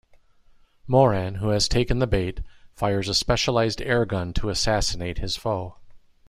Moran, who has taken the bait, fires a specialized air-gun to assassinate his foe.